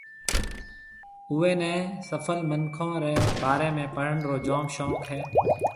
اوئيَ نيَ سڦل منکون رَي بارَي ۾ پڙھڻ رو جوم شوق ھيََََ